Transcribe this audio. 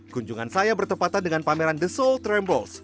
kunjungan saya bertepatan dengan pameran the soul trambles